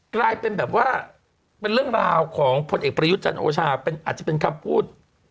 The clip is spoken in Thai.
กลายเป็นแบบว่าเป็นเรื่องราวของพลเอกประยุทธ์จันทร์โอชาอาจจะเป็นคำพูด